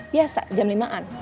biasa jam limaan